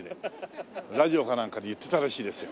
ラジオかなんかで言ってたらしいですよ。